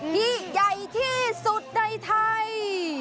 ยิ่งใหญ่ที่สุดในไทย